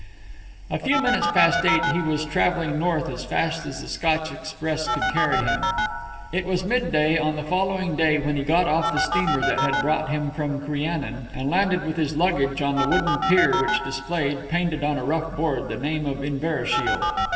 A few minutes past eight he was travelling North as fast as the Scotch express could carry him. It was midday on the following day when he got off the steamer that had brought him from Crianan, and landed with his luggage on the wooden pier which displayed, painted on a rough board, the name of Inverashiel.